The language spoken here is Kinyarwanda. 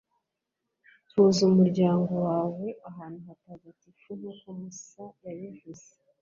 tuza umuryango wawe ahantu hatagatifu nk'uko musa yabivuze